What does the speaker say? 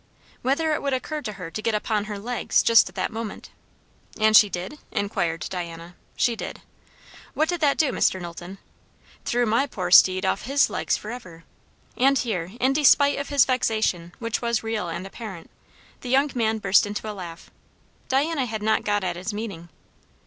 "Whether it would occur to her to get upon her legs, just at that moment." "And she did?" inquired Diana. "She did." "What did that do, Mr. Knowlton?" "Threw my poor steed off his legs forever!" And here, in despite of his vexation, which was real and apparent, the young man burst into a laugh. Diana had not got at his meaning.